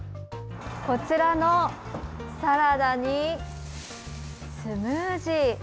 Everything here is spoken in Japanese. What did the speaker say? こちらのサラダにスムージー。